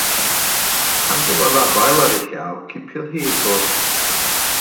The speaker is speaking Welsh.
Pan gafodd afael ar ei llaw, cipiodd hi i ffwrdd.